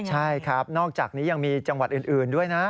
ใช่ครับนอกจากนี้ยังมีจังหวัดอื่นด้วยนะ